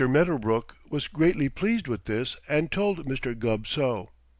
Medderbrook was greatly pleased with this and told Mr. Gubb so.